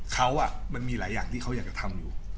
เขามันมีหลายอย่างที่เขาอยากจะทำอยู่